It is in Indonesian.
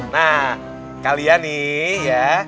nah kalian nih ya